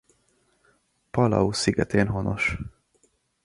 Palau szigetén honos.